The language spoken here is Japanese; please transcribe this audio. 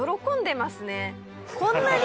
こんなに。